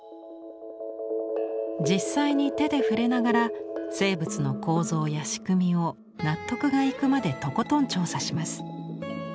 実際に手で触れながら生物の構造や仕組みを納得がいくまでとことん調査します。